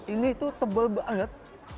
ini tuh tebal banget